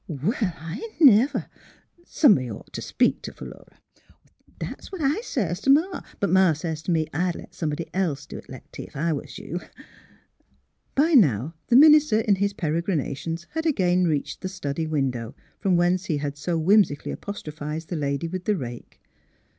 "'' Well, I never! Somebody 'd ought to speak t' Philura." '' That's what I sez t' ma. But ma sez t' me, * I'd let somebody else do it, Lecty, if I was you.' " By now the minister in his peregrinations had again reached the study window, from whence he had so whimsically apostrophised the lady with the rake.